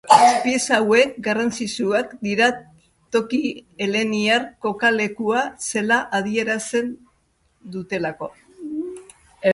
Pieza hauek garrantzitsuak dira tokia heleniar kokalekua zela adierazten dutelako.